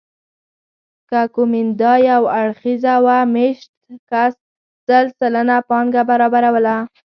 که کومېندا یو اړخیزه وه مېشت کس سل سلنه پانګه برابروله